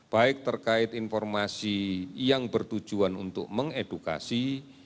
baik terkait informasi yang bertujuan untuk mengedukasi